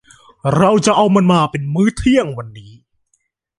เราจะเอามันมาเป็นมื้อเที่ยงวันนี้